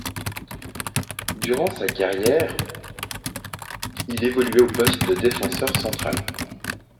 Durant sa carrière, il évoluait au poste de défenseur central.